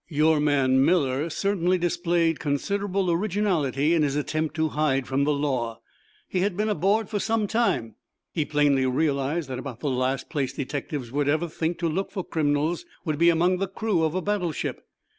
"Your man Miller certainly displayed considerable originality in his attempt to hide from the law. He had been aboard for some time. He plainly realized that about the last place detectives would ever think to look for criminals would be among the crew of a battleship.